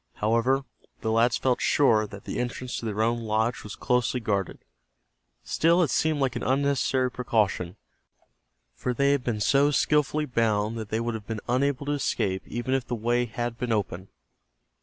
However, the lads felt quite sure that the entrance to their own lodge was closely guarded. Still it seemed like an unnecessary precaution, for they had been so skillfully bound that they would have been unable to escape even if the way had been open.